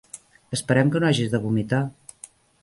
Esperem que no hagis de vomitar.